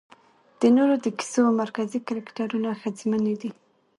د نورو د کيسو مرکزي کرکټرونه ښځمنې دي